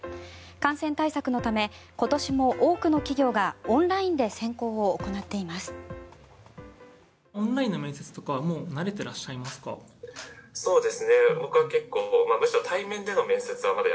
感染対策のため今年も多くの企業がオンラインで選考を行っています。